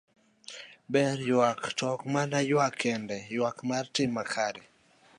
Nowacho ni ber ywak, to ok mana ywak kende, to ywak mar tim makare.